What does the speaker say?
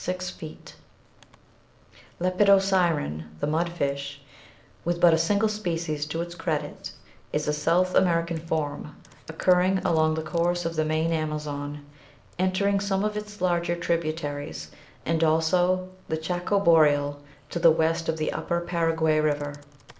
EMERGENCE OF TERRESTRIAL VERTEBRATES 485 Lepidosiren, the mud fish, with but a single species to its credit, is a South American form, occurring along the course of the main Amazon, entering some of its larger tributaries and also the Chaco Boreal to the west of the Upper Paraguay River.